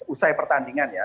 usai pertandingan ya